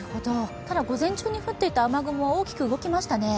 午前中に降っていた雨雲は大きく動きましたね。